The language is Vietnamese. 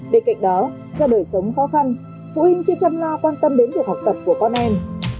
bên cạnh đó do đời sống khó khăn phụ huynh chưa chăm lo quan tâm đến việc học tập của con em